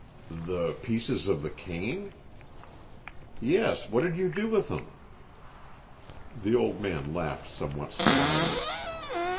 "The pieces of the cane?" "Yes. What did you do with them?" The old man laughed somewhat slyly.